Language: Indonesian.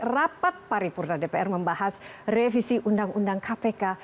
rapat paripurna dpr membahas revisi undang undang kpk